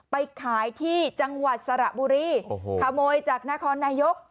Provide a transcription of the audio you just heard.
ไปขายที่จังหวัดสระบุรีโอ้โหขโมยจากนครนายก